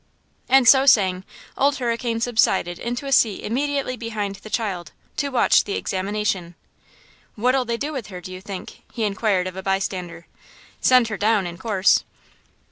And so saying Old Hurricane subsided into a seat immediately behind the child, to watch the examination. "What'll they do with her, do you think?" He inquired of a bystander. "Send her down, in course."